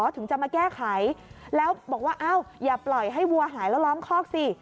ถึงจะมาแก้ไขแล้วบอกว่าอ้าวอย่าปล่อยให้วัวหายแล้วล้อมคอกสิ